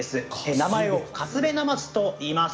名前をカスベなますといいます。